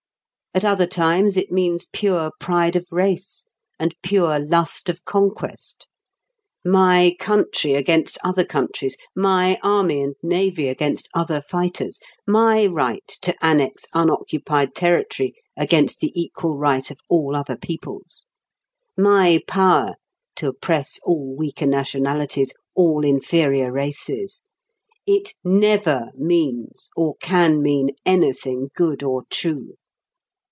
At other times it means pure pride of race, and pure lust of conquest: "My country against other countries! My army and navy against other fighters! My right to annex unoccupied territory against the equal right of all other peoples! My power to oppress all weaker nationalities, all inferior races!" It never means or can mean anything good or true.